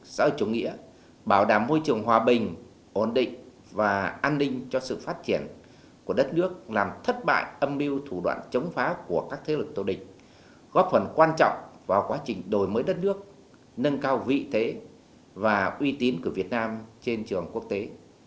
sau chủ nghĩa bảo đảm môi trường hòa bình ổn định và an ninh cho sự phát triển của đất nước làm thất bại âm mưu thủ đoạn chống phá của các thế lực tổ địch góp phần quan trọng vào quá trình đổi mới đất nước nâng cao vị thế và uy tín của việt nam trên trường quốc tế